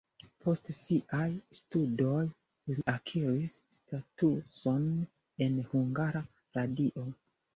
Post siaj studoj li akiris statuson en Hungara Radio.